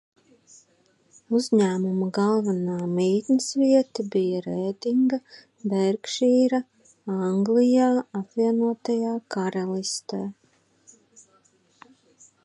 Uzņēmuma galvenā mītnes vieta bija Redingā, Bērkšīrā, Anglijā, Apvienotajā Karalistē.